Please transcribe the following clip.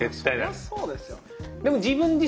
そりゃそうですよ。